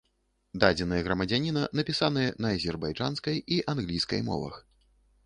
Дадзеныя грамадзяніна напісаныя на азербайджанскай і англійскай мовах.